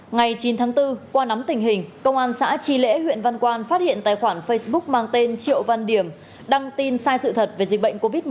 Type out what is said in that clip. ngày chín tháng bốn qua nắm tình hình công an xã tri lễ huyện văn quan phát hiện tài khoản facebook mang tên triệu văn điểm đăng tin sai sự thật về dịch bệnh covid một mươi chín